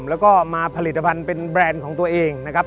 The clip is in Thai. แล้วก็มาผลิตภัณฑ์เป็นแบรนด์ของตัวเองนะครับ